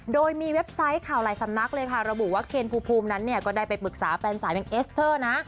โดยมีเว็บไซต์ข่าวหลายสำนักเลยค่ะระบุว่าเคนภูมินั้นเนี่ยก็ได้ไปปรึกษาแฟนสาวอย่างเอสเตอร์นะ